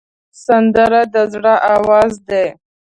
سندره د زړه آواز دی